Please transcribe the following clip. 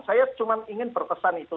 saya cuma ingin berkesan itu